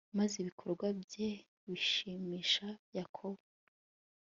maze ibikorwa bye bishimisha yakobo